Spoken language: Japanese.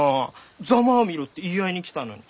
「ざまあみろ」って言い合いに来たのに。